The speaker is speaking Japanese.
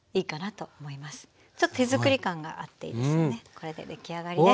これで出来上がりです。